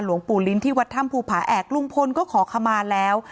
หลวงปู่ลิ้นที่วัดถ้ำภูผาแอกลุงพลก็ขอขมาแล้ว